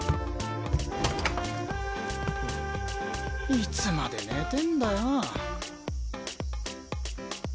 いつまで寝てんだよ。